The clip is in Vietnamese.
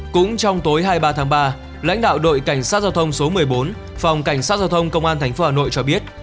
cũng trong tối hai mươi ba tháng ba lãnh đạo đội cảnh sát giao thông số một mươi bốn phòng cảnh sát giao thông công an tp hà nội cho biết